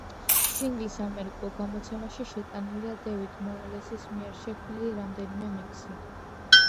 სინგლის ამერიკულ გამოცემაში შეტანილია დევიდ მორალესის მიერ შექმნილი რამდენიმე მიქსი.